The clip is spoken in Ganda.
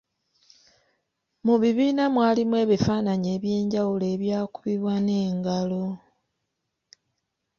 Mu bibiina mwalimu ebifaananyi eby’enjawulo ebyakubibwa n’engalo.